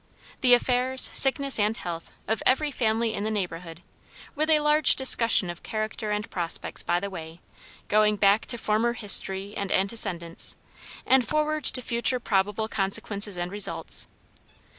The affairs, sickness and health, of every family in the neighbourhood, with a large discussion of character and prospects by the way; going back to former history and antecedents, and forward to future probable consequences and results.